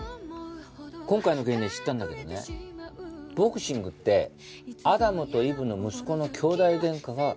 今回の件で知ったんだけどねボクシングってアダムとイヴの息子の兄弟喧嘩が起源らしい。